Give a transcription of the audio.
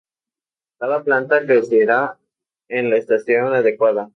Cada planta crecerá en la estación adecuada.